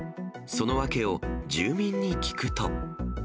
その訳を、住民に聞くと。